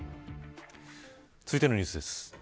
続いてのニュースです。